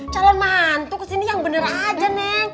jalan mantu kesini yang bener aja neng